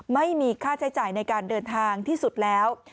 ไม่มีค่าใช้จ่ายในการเดินทางที่สุดแล้ว